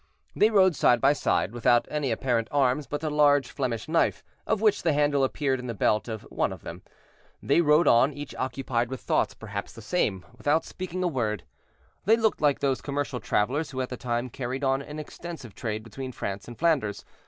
They rode side by side, without any apparent arms but a large Flemish knife, of which the handle appeared in the belt of one of them. They rode on, each occupied with thoughts perhaps the same, without speaking a word. They looked like those commercial travelers who at that time carried on an extensive trade between France and Flanders.